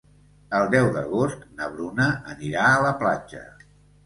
El deu d'agost na Bruna anirà a la platja.